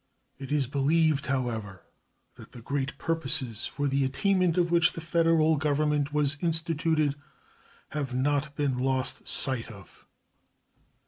It is believed, however, that the great purposes for the attainment of which the Federal Government was instituted have not been lost sight of.